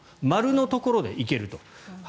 丸のところで行けると。